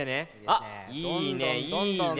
あっいいねいいね。